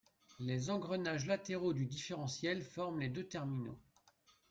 Les engrenages latéraux du différentiel forment les deux terminaux.